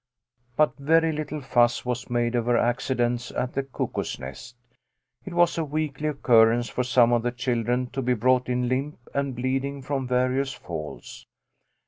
But very little fuss was made over accidents at the Cuckoo's Nest. It was a weekly occurrence for some of the children to be brought in limp and bleeding from various falls.